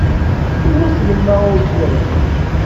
Temmut yemma ur lliɣ din.